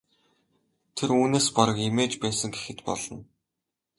Тэр үүнээс бараг эмээж байсан гэхэд болно.